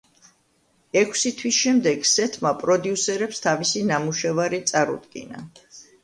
ექვსი თვის შემდეგ სეთმა პროდიუსერებს თავისი ნამუშევარი წარუდგინა.